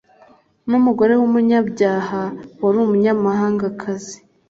n'umugore w'umunyabyaha wari umunyamahangakazi.